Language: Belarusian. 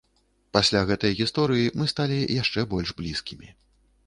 Пасля гэтай гісторыі мы сталі яшчэ больш блізкімі.